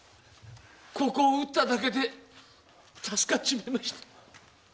ここを打っただけで助かっちまいました。